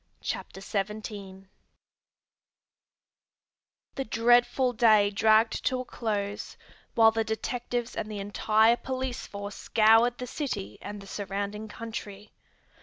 CHAPTER XVII The dreadful day dragged to a close, while the detectives and the entire police force scoured the city and the surrounding country.